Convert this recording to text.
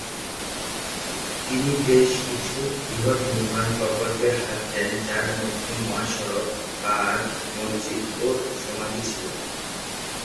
তিনি বেশ কিছু বৃহৎ নির্মাণ প্রকল্পে হাত দেন যার মধ্যে মহাসড়ক, বাধ, মসজিদ ও সমাধি ছিল।